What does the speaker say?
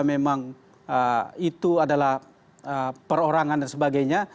memang itu adalah perorangan dan sebagainya